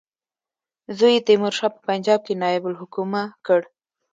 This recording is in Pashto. زوی یې تیمورشاه په پنجاب کې نایب الحکومه کړ.